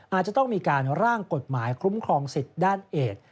อาจจะต้องมีการร่างกฎหมายคุ้มครองสิทธิ์ด้านเอก